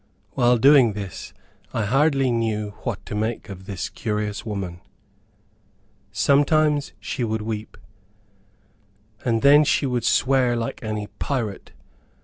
While doing this, I hardly knew what to make of this curious woman. Sometimes she would weep, and then she would swear like any pirate.